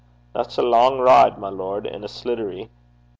'That's a lang ride, my lord, and a sliddery.